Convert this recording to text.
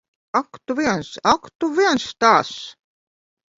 Ak tu viens. Ak, tu viens tāds!